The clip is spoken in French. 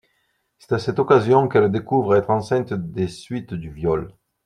C'est à cette occasion qu'elle découvre être enceinte des suites du viol.